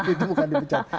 itu bukan dipecat